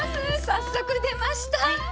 早速出ました！